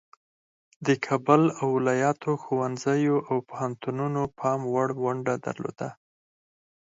د کابل او ولایاتو ښوونځیو او پوهنتونونو پام وړ ونډه درلوده.